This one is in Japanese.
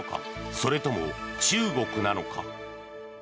それとも中国なのか。